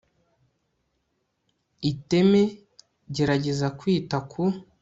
Iteme Gerageza kwita ku